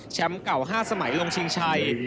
แชมป์เก่า๕สมัยลงชิงชัย